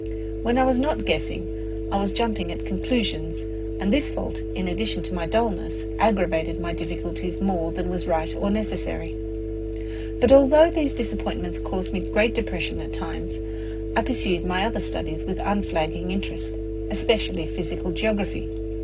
When I was not guessing, I was jumping at conclusions, and this fault, in addition to my dullness, aggravated my difficulties more than was right or necessary. But although these disappointments caused me great depression at times, I pursued my other studies with unflagging interest, especially physical geography.